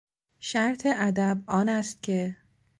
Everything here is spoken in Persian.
شرط ادب آن است که...